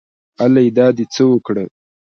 الۍ دا دې څه وکړه